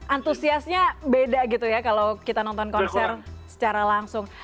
antusiasnya beda gitu ya kalau kita nonton konser secara langsung